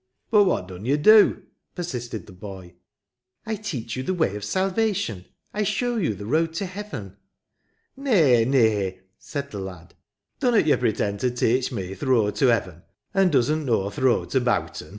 "But what dun yo' do?" persisted the boy. *' I teach you the way of salvation ; I show you the road to heaven." Nay, nay," said the lad ;" dunnot yo* pre tend to teach me th' road to heaven, and doesn t know th' road to Bow'ton."